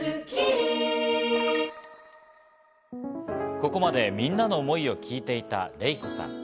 ここまでみんなの思いを聞いていたレイコさん。